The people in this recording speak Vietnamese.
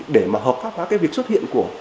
để mà hợp pháp hóa cái việc xuất hiện của